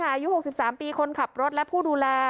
อายุ๖๓ปีคนขับรถและผู้ดูแล